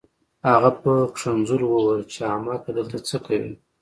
هغه په کنځلو وویل چې احمقه دلته څه کوې